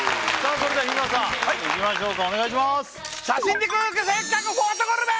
それでは日村さんいきましょうかお願いします